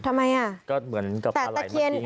ทำไมล่ะก็เหมือนกับอะไรเมื่อกี้อย่างนั้น